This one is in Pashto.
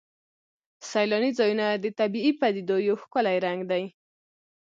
سیلاني ځایونه د طبیعي پدیدو یو ښکلی رنګ دی.